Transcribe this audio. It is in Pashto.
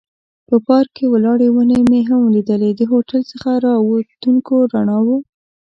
په پارک کې ولاړې ونې مې هم لیدلې، د هوټل څخه را وتونکو رڼاوو.